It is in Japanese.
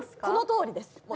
このとおりです。